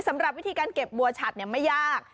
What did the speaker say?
สำหรับวิธีการเก็บบัวฉัดไม่ยาก